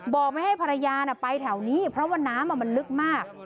บอกไม่ให้ภรรยาไปแถวนี้เพราะว่าน้ำมันลึกมาก